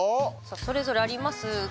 それぞれありますが。